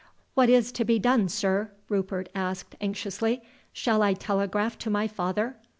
"What is to be done, sir?" Rupert asked anxiously. "Shall I telegraph to my father?"